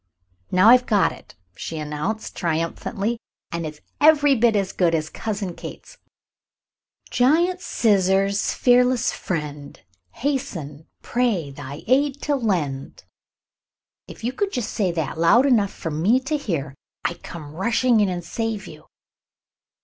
"Now I've got it," she announced, triumphantly, "and it's every bit as good as Cousin Kate's: "Giant scissors, fearless friend, Hasten, pray, thy aid to lend. "If you could just say that loud enough for me to hear I'd come rushing in and save you."